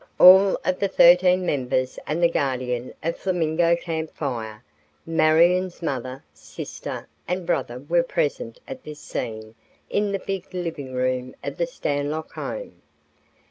All of the thirteen members and the Guardian of Flamingo Camp Fire, Marion's mother, sister, and brother were present at this scene in the big living room of the Stanlock home.